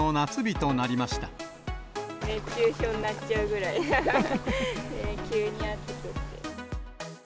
熱中症になっちゃうぐらい、急に暑くて。